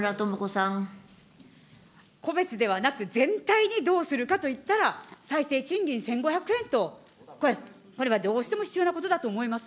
個別ではなく、全体にどうするかと言ったら、最低賃金１５００円と、これはどうしても必要なことだと思います。